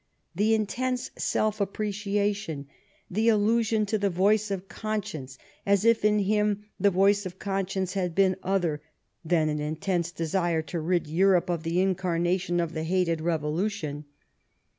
The intense self appreciation ; the allusion to the voice of conscience, as if in him the voice of conscience had been other than an intense desire to rid Europe of the incarnation of the hated revolution.